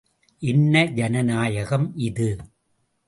என்ன ஜனநாயகம் இது?